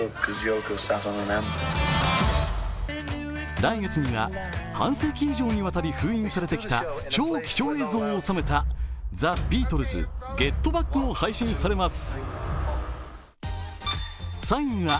来月には半世紀以上にわたり封印されてきた超貴重映像を収めた「ザ・ビートルズ：ＧｅｔＢａｃｋ」も配信されます。